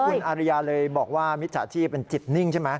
คุณอาริยาเลยบอกว่ามิจฉาชีพเป็นจิตนิ่งใช่ไหม